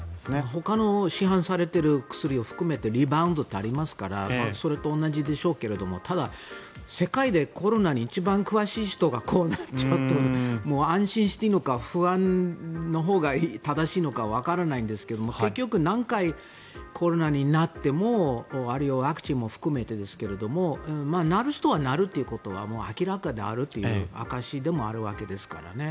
ほかの市販されている薬を含めてリバウンドってありますからそれと同じでしょうけどただ、世界でコロナに一番詳しい人がこうなっちゃうと安心していいのか不安のほうが正しいのかわからないんですが結局、何回コロナになってもあるいはワクチンも含めてですがなる人はなるということがもう明らかであるという証しでもあるわけですからね。